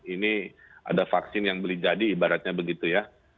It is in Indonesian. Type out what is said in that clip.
ini ada vaksin yang beli jadi ibaratnya begitu ya